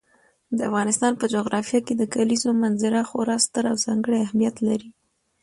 د افغانستان په جغرافیه کې د کلیزو منظره خورا ستر او ځانګړی اهمیت لري.